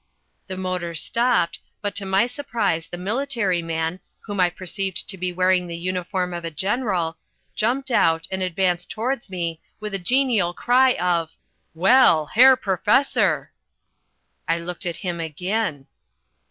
The motor stopped, but to my surprise the military man, whom I perceived to be wearing the uniform of a general, jumped out and advanced towards me with a genial cry of: "Well, Herr Professor!" I looked at him again.